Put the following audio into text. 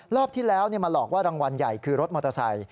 รอบที่แล้วมาหลอกว่ารางวัลใหญ่คือรถมอเตอร์ไซค